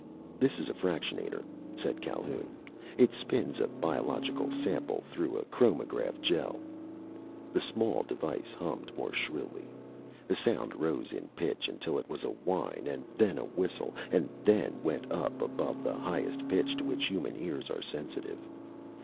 "This is a fractionator," said Calhoun. "It spins a biological sample through a chromatograph gele." The small device hummed more shrilly. The sound rose in pitch until it was a whine, and then a whistle, and then went up above the highest pitch to which human ears are sensitive.